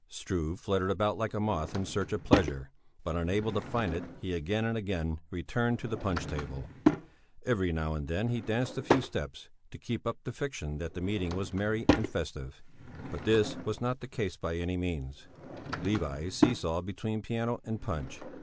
Struve fluttered about like a moth in search of pleasure, but unable to find it he again and again returned to the punch table; every now and then he danced a few steps, to keep up the fiction that the meeting was merry and festive; but this was not the case by any means. Levi see sawed between piano and punch.